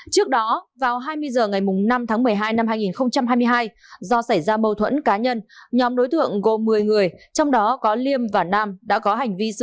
trước đó vào hai mươi h ngày năm tháng một mươi hai năm hai nghìn hai mươi hai do xảy ra mâu thuẫn cá nhân nhóm đối tượng gồm một mươi người trong đó có liêm và nam đã có hành vi sử dụng